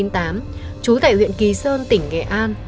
trú tại huyện kỳ sơn tỉnh nghệ an